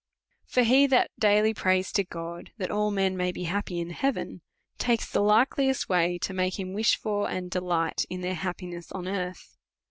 For he that daily prays to God, that all men may be happy in heaven, takes the likeliest Avay to make him wish for, and delight in tiieir happiness on earth.